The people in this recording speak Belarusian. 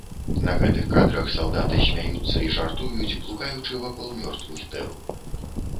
На гэтых кадрах салдаты смяюцца і жартуюць, блукаючы вакол мёртвых тэл.